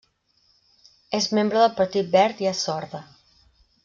És membre del Partit Verd i és sorda.